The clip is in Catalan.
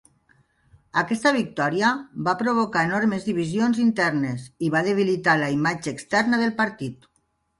Aquesta victòria va provocar enormes divisions internes i va debilitar la imatge externa del partit.